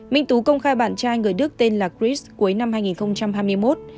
minh tú công khai bạn trai người đức tên là chris cuối năm hai nghìn hai mươi một